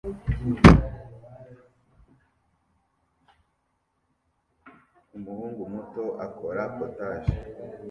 Umuhungu muto akora POTAGE